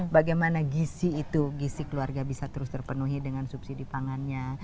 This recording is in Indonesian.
bagaimana gisi itu gisi keluarga bisa terus terpenuhi dengan subsidi pangannya